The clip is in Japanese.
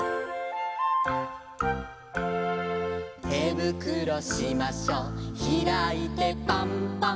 「てぶくろしましょひらいてぱんぱん」